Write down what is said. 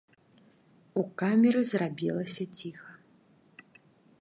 У камеры зрабілася ціха.